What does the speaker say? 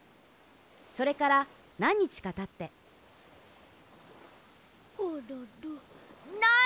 それからなんにちかたってホロロない！